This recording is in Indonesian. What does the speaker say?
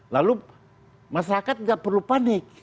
lalu masyarakat nggak perlu panik